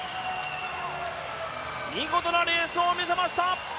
見事なレースを見せました！